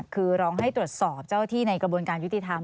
คือร้องให้ตรวจสอบเจ้าที่ในกระบวนการยุติธรรม